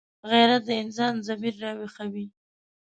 غیرت د انسان ضمیر راویښوي